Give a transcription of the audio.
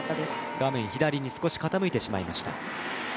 画面左に少し傾いてしまいました。